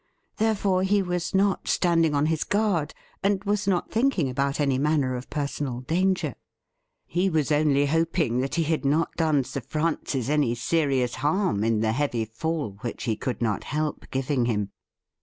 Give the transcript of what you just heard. Therefore, he was not standing on his guard, and was not thinking about any manner of personal danger. He was only hoping that he had not done Sir Francis any serious harm in the heavy fall which he could not help giving him.